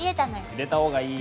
入れた方がいい。